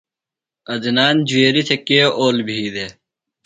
عدنان جُویریۡ تھےۡ کے اول بھی دےۡ؟